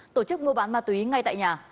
tổ chức mua bán ma túy ngay tại nhà